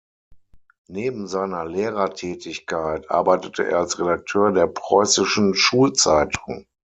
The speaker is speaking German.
Neben seiner Lehrertätigkeit arbeitete er als Redakteur der "Preußischen Schulzeitung".